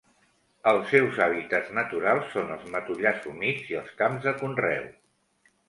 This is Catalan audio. Els seus hàbitats naturals són els matollars humits i els camps de conreu.